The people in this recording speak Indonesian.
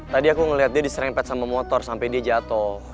tadi aku ngeliat dia disrempet sama motor sampe dia jatoh